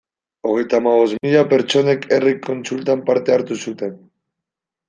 Hogeita hamabost mila pertsonek herri kontsultan parte hartu zuten.